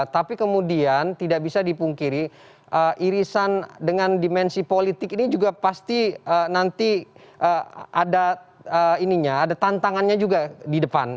tapi kemudian tidak bisa dipungkiri irisan dengan dimensi politik ini juga pasti nanti ada tantangannya juga di depan